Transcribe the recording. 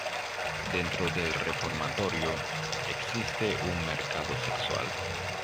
Dentro del reformatorio, existe un mercado sexual.